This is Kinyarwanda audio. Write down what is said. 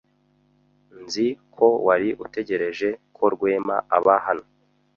Nzi ko wari utegereje ko Rwema aba hano.